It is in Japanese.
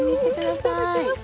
いただきます。